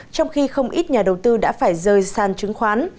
trong khi không ít nhà đầu tư đã phải rơi san chứng khoán